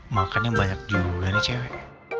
makannya banyak juga nih cewek